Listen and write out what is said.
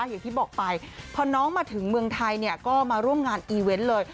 อย่างที่บอกไปพอน้องมาถึงเมืองไทยเนี่ยก็มาร่วมงานอีเวนต์เลย